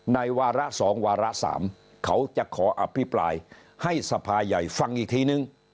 วาระ๒วาระ๓เขาจะขออภิปรายให้สภาใหญ่ฟังอีกทีนึง